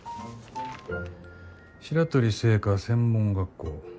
白鳥製菓専門学校。